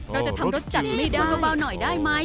เราจะทำรสจัดไม่ได้